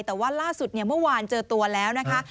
แต่ว่าล่าสุดเนี่ยเมื่อวานเจอตัวแล้วนะคะ